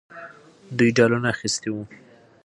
دوی ډالونه اخیستي وو.